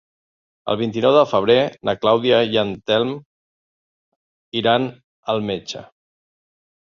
El vint-i-nou de febrer na Clàudia i en Telm iran al metge.